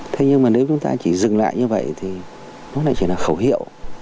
thế nhưng mà nếu chúng ta chỉ dừng lại như vậy thì nó lại chỉ là khẩu hiệu